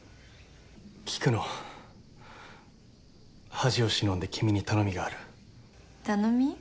菊乃恥を忍んで君に頼みがある頼み？